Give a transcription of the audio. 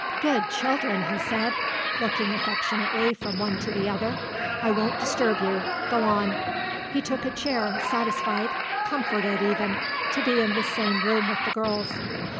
"Good children!" he said, looking affectionately from one to the other. "I won't disturb you; go on." He took a chair, satisfied comforted, even to be in the same room with the girls.